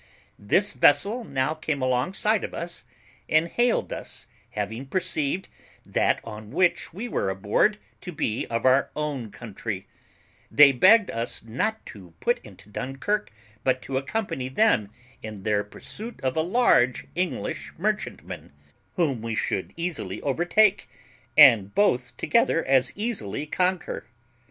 "This vessel now came alongside of us, and hailed us, having perceived that on which we were aboard to be of her own country; they begged us not to put into Dunkirk, but to accompany them in their pursuit of a large English merchantman, whom we should easily overtake, and both together as easily conquer.